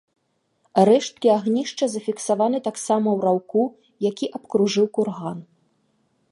Рэшткі агнішча зафіксаваны таксама ў раўку, які абкружаў курган.